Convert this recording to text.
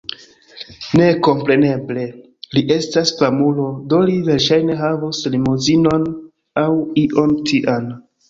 Ne... kompreneble, li estas famulo do li verŝajne havus limozinon aŭ ion tian